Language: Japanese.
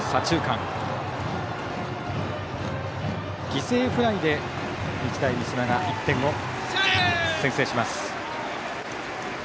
犠牲フライで日大三島が１点を先制します。